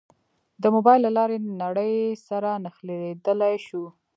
د موبایل له لارې نړۍ سره نښلېدای شو.